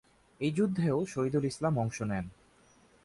এই যুদ্ধেও শহীদুল ইসলাম অংশ নেন।